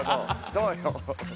どうよ？